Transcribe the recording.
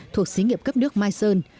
thuộc xí nghiệp cấp nước mai sơn